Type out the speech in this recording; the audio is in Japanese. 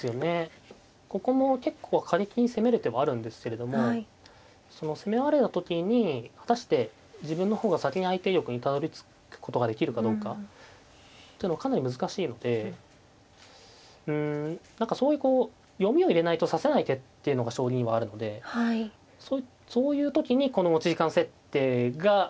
ここも結構過激に攻める手もあるんですけれどもその攻められた時に果たして自分の方が先に相手玉にたどりつくことができるかどうかっていうのはかなり難しいのでうん何かそういうこう読みを入れないと指せない手っていうのが将棋にはあるのでそういう時にこの持ち時間設定が。